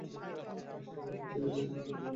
সে ভয় পেয়েছিল যে সে তার ক্ষতি করতে পারে।